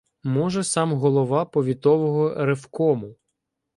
Може, сам голова повітового ревкому.